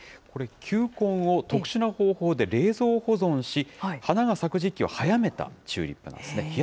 これ、球根を特殊な方法で冷蔵保存し、花が咲く時期を早めたチューリップなんですね。